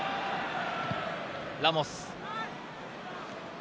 ラモス。